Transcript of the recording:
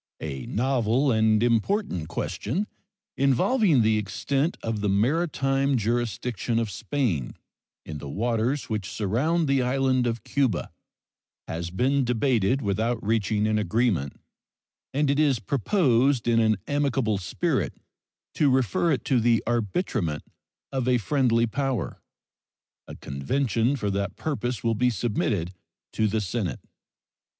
A novel and important question, involving the extent of the maritime jurisdiction of Spain in the waters which surround the island of Cuba, has been debated without reaching an agreement, and it is proposed in an amicable spirit to refer it to the arbitrament of a friendly power. A convention for that purpose will be submitted to the Senate.